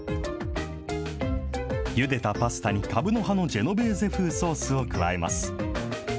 ゆでたパスタにかぶの葉のジェノベーゼ風ソースを加えます。